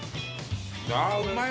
あうまい！